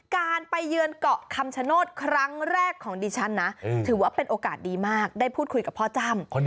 การไปเยือนเกาะคำชโนธครั้งแรกของดิฉันนะถือว่าเป็นโอกาสดีมากได้พูดคุยกับพ่อจ้ำ